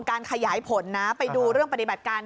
การขยายผลนะไปดูเรื่องปฏิบัติการ